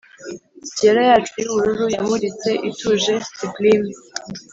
siyera yacu yubururu yamuritse ituje, sublime,